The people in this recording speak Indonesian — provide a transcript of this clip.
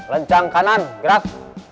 lencang kanan gerak